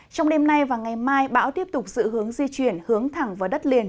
trong đêm nay và ngày mai bão tiếp tục dự hướng di chuyển hướng thẳng vào đất liền